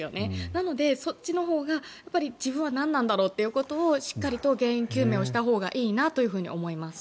なので、そっちのほうが自分はなんなんだろうとしっかりと原因究明したほうがいいなと思います。